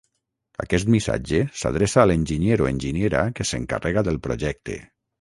Aquest missatge s'adreça a l'enginyer o enginyera que s'encarrega del projecte.